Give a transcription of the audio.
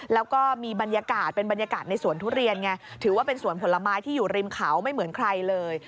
แล้วก็มีบรรยากาศเป็นบรรยากาศในสวนทุเรียนไงถือว่าเป็นสวนผลไม้ที่อยู่ริมเขาไม่เหมือนใครเลย